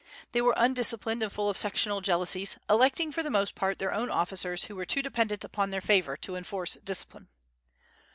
They were undisciplined and full of sectional jealousies, electing, for the most part, their own officers, who were too dependent upon their favor to enforce discipline.